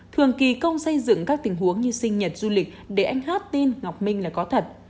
thường kỳ công xây dựng các tình huống như sinh nhật du lịch để anh hát tin ngọc minh là có thật